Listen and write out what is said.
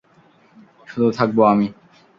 শুধু থাকব আমি।